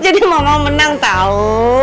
jadi mama menang tau